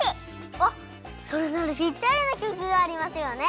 あっそれならぴったりのきょくがありますよね！